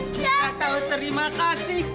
tak tahu terima kasih